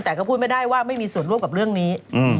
แต่ก็พูดไม่ได้ว่าไม่มีส่วนร่วมกับเรื่องนี้